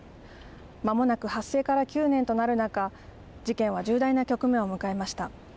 まもなく発生から９年となる中、事件は重大な局面を迎えました。